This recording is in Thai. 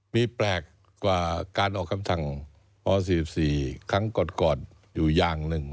มีแปลกกว่าการออกคำสั่งอ๔๔ครั้งก่อนอยู่อย่างหนึ่ง